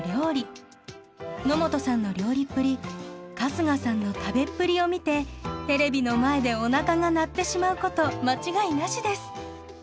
野本さんの料理っぷり春日さんの食べっぷりを見てテレビの前でおなかが鳴ってしまうこと間違いなしです。